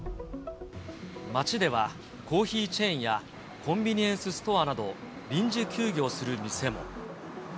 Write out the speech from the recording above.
街では、コーヒーチェーンやコンビニエンスストアなど、臨時休業する店も。